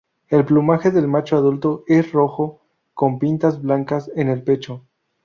El plumaje del macho adulto es rojo con pintas blancas en el pecho.